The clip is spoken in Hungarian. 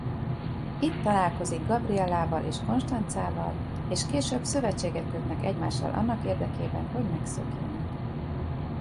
Itt találkozik Gabrielával és Constanzával és később szövetséget kötnek egymással annak érdekében hogy megszökjenek.